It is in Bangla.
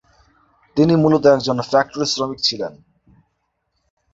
তিনি মূলত একজন ফ্যাক্টরি শ্রমিক ছিলেন।